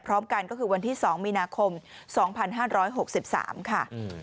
พร้อมกันก็คือวันที่๒มีนาคม๒๕๖๓ค่ะ